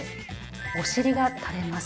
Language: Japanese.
お尻がたれます。